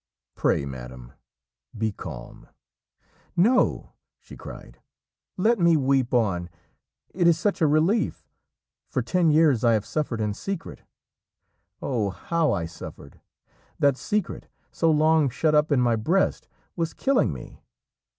"Pray, madam, be calm." "No," she cried, "let me weep on. It is such a relief; for ten years I have suffered in secret. Oh, how I suffered! That secret, so long shut up in my breast, was killing me.